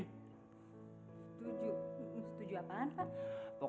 setuju setuju apaan pak